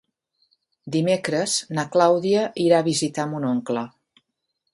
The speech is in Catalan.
Dimecres na Clàudia irà a visitar mon oncle.